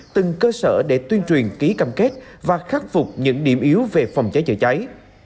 từng cơ sở để tuyên truyền ký cam kết và khắc phục những điểm yếu về phòng cháy chữa cháy